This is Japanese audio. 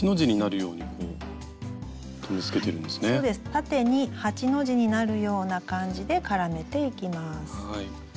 縦に８の字になるような感じで絡めていきます。